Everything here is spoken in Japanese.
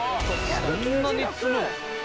そんなに積むの？